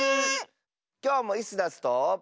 きょうもイスダスと。